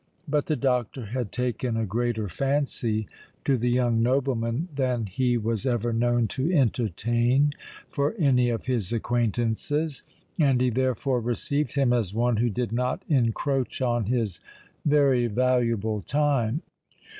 But the doctor had taken a greater fancy to the young nobleman than he was ever known to entertain for any of his acquaintances; and he therefore received him as one who did not encroach on his very valuable time.